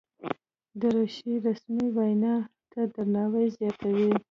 دریشي رسمي وینا ته درناوی زیاتوي.